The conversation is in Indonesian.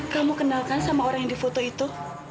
kamu kenalkan sama orang yang di foto itu